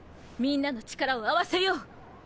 みんなの力を合わせよう！